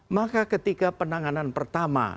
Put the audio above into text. maka ketika penanganan pertama